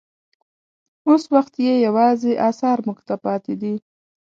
اوس وخت یې یوازې اثار موږ ته پاتې دي.